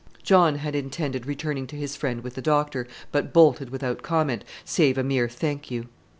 John had intended returning to his friend with the doctor, but bolted without comment, save a mere "Thank you."